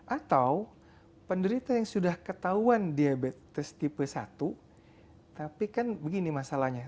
atau penderita yang sudah ketahuan diabetes tipe satu tapi kan begini masalahnya